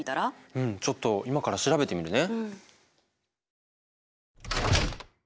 うんちょっと今から調べてみるね。